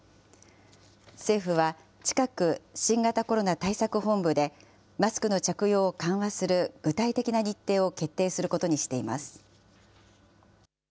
政府は、近く新型コロナ対策本部で、マスクの着用を緩和する、具体的な日程を決定することにしています。